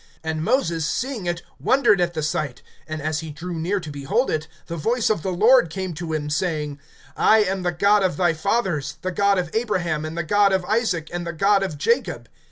(31)And Moses, seeing it, wondered at the sight; and as he drew near to behold it, the voice of the Lord came to him, saving: (32)I am the God of thy fathers, the God of Abraham, and the God of Isaac, and the God of Jacob.